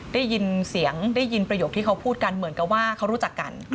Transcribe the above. ได้ยินเสียงได้ยินประโยคที่เขาพูดกันเหมือนกับว่าเขารู้จักกัน